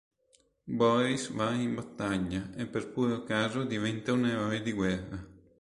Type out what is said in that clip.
Boris va in battaglia e per puro caso diventa un eroe di guerra.